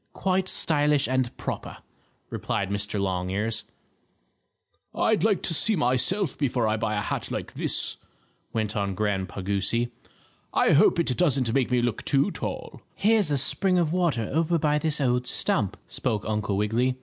"Quite stylish and proper," replied Mr. Longears. "I'd like to see myself before I buy a hat like this," went on Grandpa Goosey. "I hope it doesn't make me look too tall." "Here's a spring of water over by this old stump," spoke Uncle Wiggily.